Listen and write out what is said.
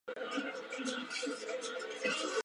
Todas las partes de la planta tienen un fuerte olor de ajo.